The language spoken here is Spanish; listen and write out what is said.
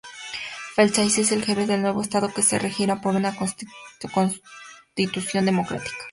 Faysal es el jefe del nuevo Estado, que se regirá por una constitución democrática.